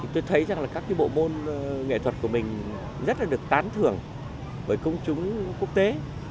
tôi thấy rằng là các cái bộ môn nghệ thuật của mình rất là được tán thưởng bởi công chúng quốc tế